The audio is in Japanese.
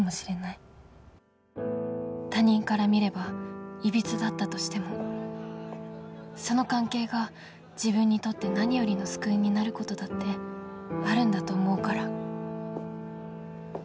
他人から見れば歪だったとしてもその関係が自分にとって何よりの救いになることだってえっ萌ちゃん？